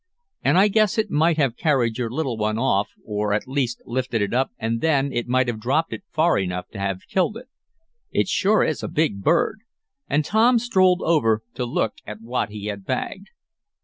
And I guess it might have carried your little one off, or at least lifted it up, and then it might have dropped it far enough to have killed it. It sure is a big bird," and Tom strolled over to look at what he had bagged.